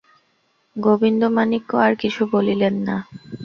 গোবিন্দমাণিক্য আর কিছু বলিলেন না।